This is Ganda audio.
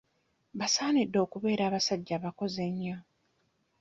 Basaanidde okubeera abasajja abakozi ennyo.